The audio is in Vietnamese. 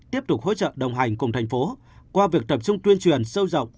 tiếp tục hỗ trợ đồng hành cùng thành phố qua việc tập trung tuyên truyền sâu rộng